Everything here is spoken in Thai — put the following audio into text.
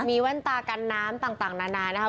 มีแว่นตากันน้ำต่างนานานะครับ